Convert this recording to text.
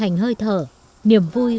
hành hơi thở niềm vui